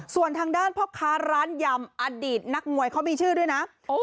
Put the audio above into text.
ส่วนทางด้านพ่อค้าร้านยำอดีตนักมวยเขามีชื่อด้วยนะ